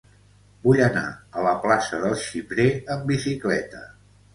Vull anar a la plaça del Xiprer amb bicicleta.